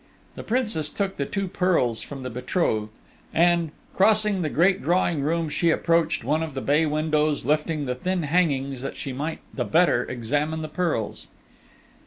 The Princess took the two pearls from the betrothed, and, crossing the great drawing room, she approached one of the bay windows, lifting the thin hangings that she might the better examine the pearls.